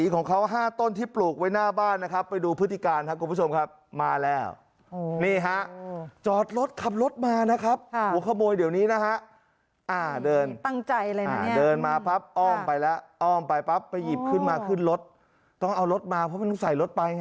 ต้องเอารถมาเพราะมันต้องใส่รถไปไง